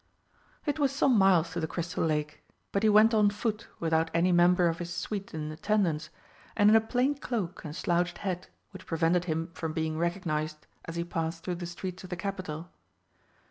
It was some miles to the Crystal Lake, but he went on foot without any member of his suite in attendance, and in a plain cloak and slouched hat, which prevented him from being recognised as he passed through the streets of the Capital.